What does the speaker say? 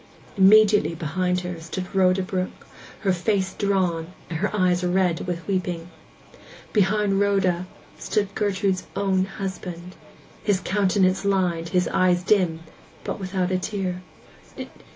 Immediately behind her stood Rhoda Brook, her face drawn, and her eyes red with weeping. Behind Rhoda stood Gertrude's own husband; his countenance lined, his eyes dim, but without a tear.